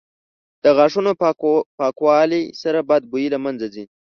• د غاښونو پاکوالي سره بد بوی له منځه ځي.